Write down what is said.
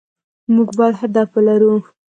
مونږ بايد هدف ولرو